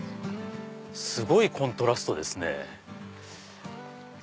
すごいコントラストですね。